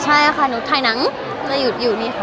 ใช่ค่ะนุ้ยถ่ายหนังอยู่นี่ค่ะ